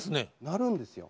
なるんですよ。